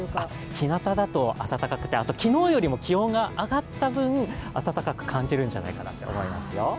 ひなただと暖かくて、昨日よりも気温が上がった分、暖かく感じるんだと思いますよ。